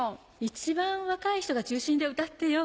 一番若い人が中心で歌ってよ。